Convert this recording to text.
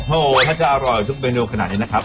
โอ้โหถ้าจะอร่อยทุกเมนูขนาดนี้นะครับ